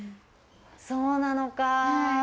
そうなのか。